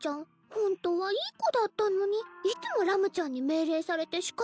ホントはいい子だったのにいつもラムちゃんに命令されて仕方なく手伝ってたのよ。